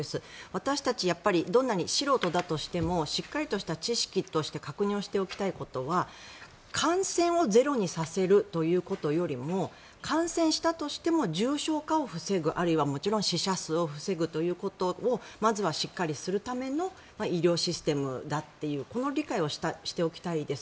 私たち、やっぱりどんなに素人だとしてもしっかりとした知識として確認をしておきたいことは感染をゼロにさせるということよりも感染したとしても重症化を防ぐあるいはもちろん死者数を防ぐということをまずはしっかりするための医療システムだっていうこの理解をしておきたいです。